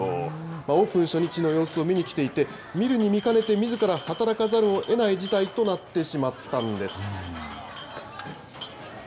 オープン初日の様子を見に来ていて、見るに見かねて、みずから働かざるをえない事態となってしまったんです。